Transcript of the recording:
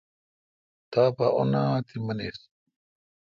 تا پا اُنآ تی منیس